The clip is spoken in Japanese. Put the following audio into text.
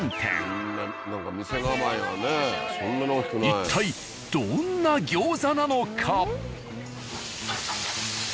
一体どんな餃子なのか？